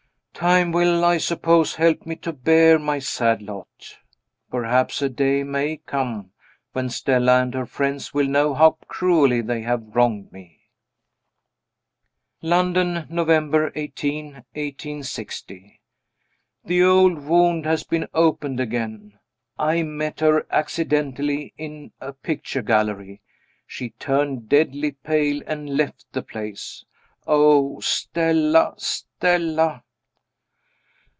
Time will, I suppose, help me to bear my sad lot. Perhaps a day may come when Stella and her friends will know how cruelly they have wronged me. London, November 18, 1860. The old wound has been opened again. I met her accidentally in a picture gallery. She turned deadly pale, and left the place. Oh, Stella! Stella!